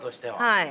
はい？